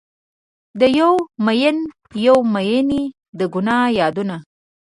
د یو میین یوې میینې د ګناه یادونه